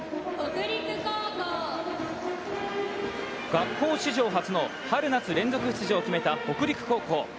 学校史上初の春夏連続出場を決めた北陸高校。